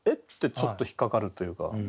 ちょっと引っ掛かるというか。